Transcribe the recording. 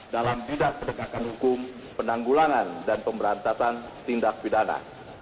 dalam bidang penegakan hukum penanggulangan dan pemberantasan tindak pidana